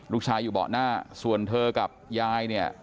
อยู่เบาะหน้าส่วนเธอกับยายเนี่ย